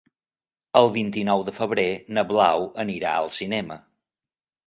El vint-i-nou de febrer na Blau anirà al cinema.